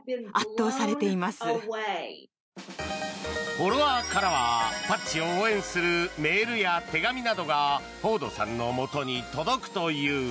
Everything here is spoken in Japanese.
フォロワーからはパッチを応援するメールや手紙などがフォードさんのもとに届くという。